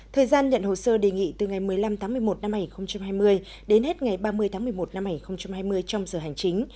thời gian nhận hồ sơ đề nghị từ ngày một mươi năm một mươi một hai nghìn hai mươi đến hết ngày ba mươi một mươi một hai nghìn hai mươi trong giờ hành chính